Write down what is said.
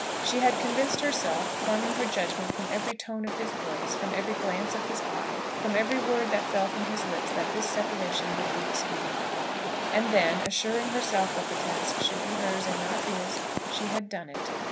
She had convinced herself, forming her judgment from every tone of his voice, from every glance of his eye, from every word that fell from his lips, that this separation would be expedient for him. And then, assuring herself that the task should be hers, and not his, she had done it.